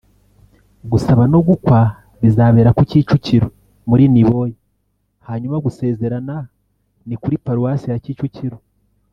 Gusaba no gukwa bizabera ku Kicukiro muri Niboye hanyuma gusezerana ni kuri Paruwasi ya Kicukiro